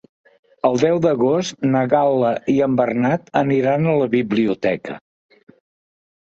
El deu d'agost na Gal·la i en Bernat aniran a la biblioteca.